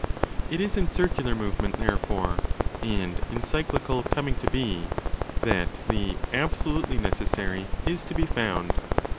It is in. circular movement, therefore, and in cyclical coming to be that the ' absolutely necessary' is to be found.